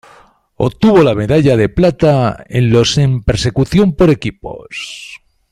Obtuvo la medalla de plata en los en persecución por equipos.